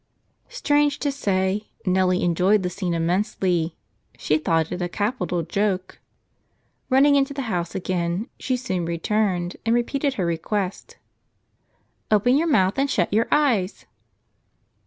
Strange to say, Nellie enjoyed the scene immensely; she thought it a capital joke. Running into the house again, she soon returned and repeated her request: "Open your mouth and shut your eyes."